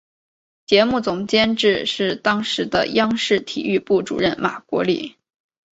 节目总监制是当时的央视体育部主任马国力。